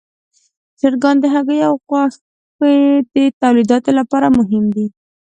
چرګان د هګیو او غوښې د تولید لپاره مهم دي.